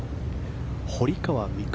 堀川未来